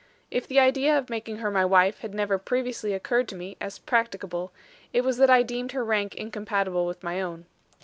If the idea of making her my wife had never previously occurred to me as practicable, it was that I deemed her rank incompatible with my own."